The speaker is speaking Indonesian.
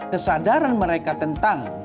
kesadaran mereka tentang